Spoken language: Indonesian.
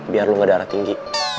biar lo ngedara tinggi